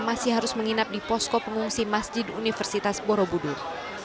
masih harus menginap di posko pengungsi masjid universitas borobudur